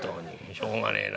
しょうがねえな。